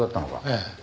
ええ。